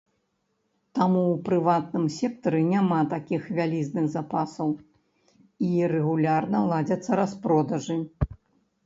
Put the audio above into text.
Таму ў прыватным сектары няма такіх вялізных запасаў, і рэгулярна ладзяцца распродажы.